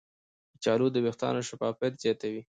کچالو د ویښتانو شفافیت زیاتوي.